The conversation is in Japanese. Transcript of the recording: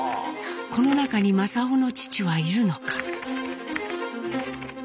この中に正雄の父はいるのか。